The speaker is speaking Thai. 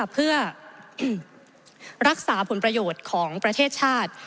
เพื่อรักษาผลประโยชน์ของประเทศชาติ